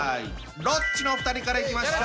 ロッチのお二人からいきましょう！